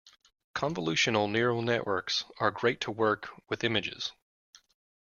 Convolutional Neural Networks are great to work with images.